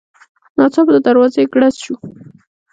ناڅاپه د دروازې ګړز شو.